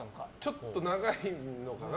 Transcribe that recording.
ちょっと長いな。